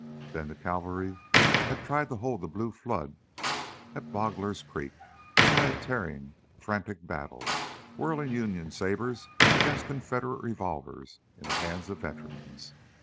Then the cavalry had tried to hold the blue flood at Bogler's Creek by a tearing frantic battle, whirling Union sabers against Confederate revolvers in the hands of veterans.